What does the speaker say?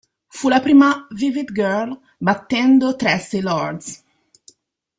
Fu la prima "Vivid Girl", battendo Traci Lords.